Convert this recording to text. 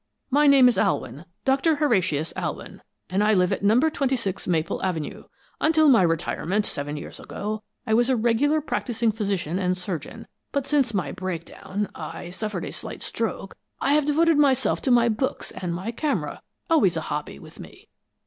My name is Alwyn Doctor Horatius Alwyn and I live at Number Twenty six Maple Avenue. Until my retirement seven years ago I was a regular practising physician and surgeon, but since my break down I suffered a slight stroke I have devoted myself to my books and my camera always a hobby with me.